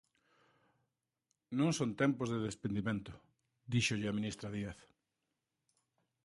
Non son tempos de despedimento, díxolle a ministra Díaz.